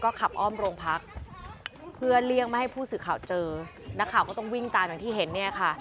ขับอ้อมโรงพักเพื่อเลี่ยงไม่ให้ผู้สื่อข่าวเจอนักข่าวก็ต้องวิ่งตามอย่างที่เห็นเนี่ยค่ะ